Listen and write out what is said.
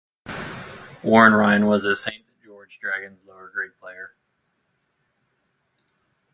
Warren Ryan was a Saint George Dragons lower grade player.